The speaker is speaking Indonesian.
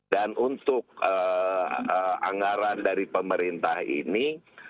dan untuk anggaran dari pemerintah ini